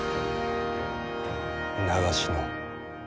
長篠。